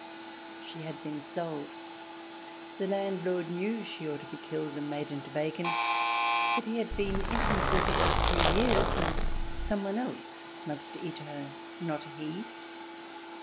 She had been sold. The landlord knew she ought to be killed and made into bacon, but he had been intimate with her for three years and some one else must eat her, not he.